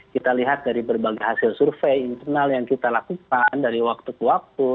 kita lihat dari berbagai hasil survei internal yang kita lakukan dari waktu ke waktu